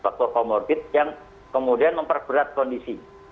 faktor comorbid yang kemudian memperberat kondisi